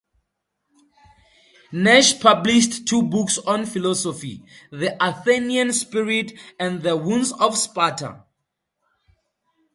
Nash published two books on philosophy, "The Athenian Spirit" and "The Wounds of Sparta".